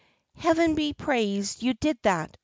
"Heaven be praised you did that!"